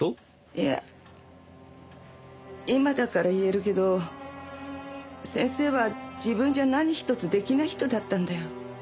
いや今だから言えるけど先生は自分じゃ何ひとつ出来ない人だったんだよ。